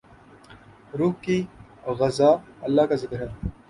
روح کی غذا اللہ کا ذکر ہے۔